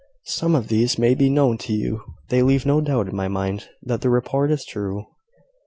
Some of these may be known to you. They leave no doubt in my mind that the report is true.